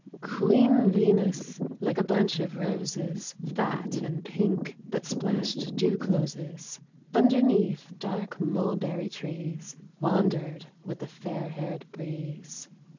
UEEN VENUS, like a bunch of roses. Fat and pink that splashed dew closes, Underneath dark mulberry trees, Wandered with the fair haired breeze.